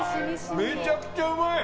めちゃくちゃうまい！